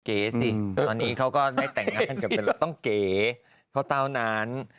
เก๋สิตอนนี้เขาก็ได้แต่งงานกับเป็นต้องเก๋เขาเต้านาน